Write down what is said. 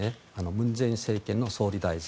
文在寅政権の大臣。